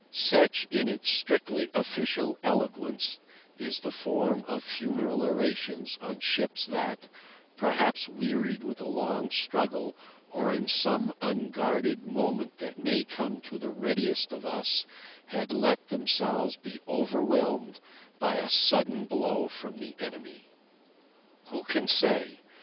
Such in its strictly official eloquence is the form of funeral orations on ships that, perhaps wearied with a long struggle, or in some unguarded moment that may come to the readiest of us, had let themselves be overwhelmed by a sudden blow from the enemy. Who can say?